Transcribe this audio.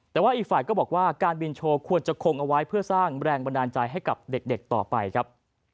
แต่ว่าอีกฝ่ายก็บอกว่าการบินโชว์ควรจะคงเอาไว้เพื่อสร้างแรงบันดาลใจให้กับเด็กต่อไปครับ